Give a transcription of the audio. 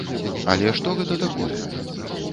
Але што гэта такое?